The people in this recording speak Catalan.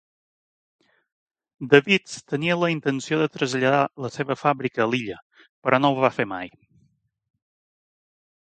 Davids tenia la intenció de traslladar la seva fàbrica a l'illa, però no ho va fer mai.